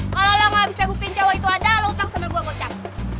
kalau lo nggak bisa buktiin cowok itu ada lo utang sama gue kocak